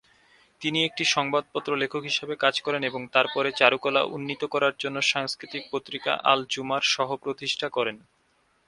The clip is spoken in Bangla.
তিনি একটি সংবাদপত্র লেখক হিসাবে কাজ করেন এবং তারপরে চারুকলা উন্নীত করার জন্য "সাংস্কৃতিক পত্রিকা আল জুমার সহ-প্রতিষ্ঠা করেন।"